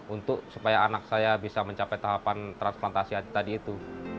untuk supaya anak saya bisa mencapai tahapan transplantasi tadi itu